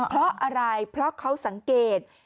เพราะอะไรเพราะเขาสังเกต